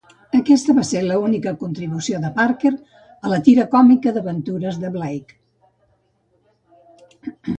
Aquesta va ser l'única contribució de Parker a la tira còmica d'aventures de Blake.